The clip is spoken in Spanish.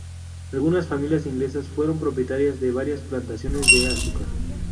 Algunas familias inglesas fueron propietarias de varias plantaciones de azúcar.